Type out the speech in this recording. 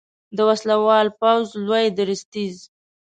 د وسلوال پوځ لوی درستیز